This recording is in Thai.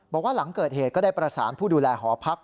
บอกว่าหลังเกิดเหตุก็ได้ประสานผู้ดูแลหอพัก